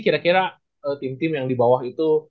kira kira tim tim yang di bawah itu